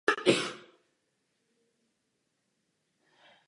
Další dvě kočky voda minula.